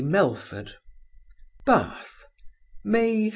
MELFORD BATH, May 6.